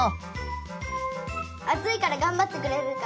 あついからがんばってくれるから。